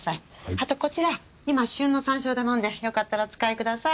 あとこちら今旬の山椒だもんでよかったらお使いください。